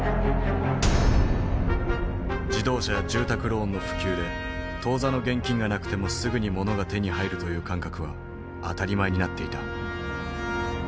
自動車や住宅ローンの普及で当座の現金がなくてもすぐにものが手に入るという感覚は当たり前になっていた。